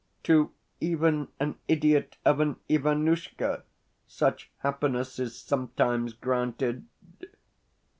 To even an idiot of an Ivanushka such happiness is sometimes granted.